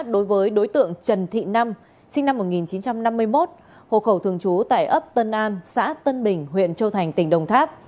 đối với đối tượng trần thị năm sinh năm một nghìn chín trăm năm mươi một hộ khẩu thường trú tại ấp tân an xã tân bình huyện châu thành tỉnh đồng tháp